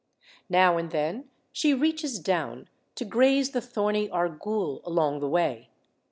Now and then she reaches down to graze the thorny argool along the way.